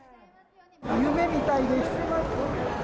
夢みたいです。